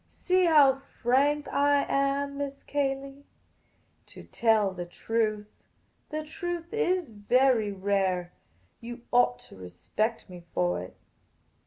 See how frank I am, Miss Cayley. I tell the truth. The truth is very rare. You ought to respect me for it."